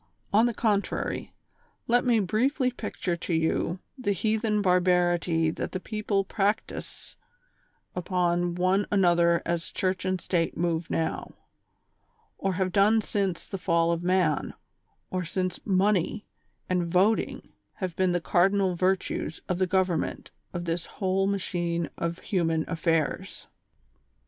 On the contrary, let me briefly picture to you the heathen barbarity that the people practise upon one another as Church and State move now, or have done since the fall of man, or since ''money " and " voting " have been the cardinal virtues of the govern ment of this whole machine of human affairs.